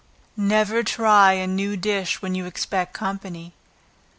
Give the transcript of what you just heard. Never try a new dish when you expect company.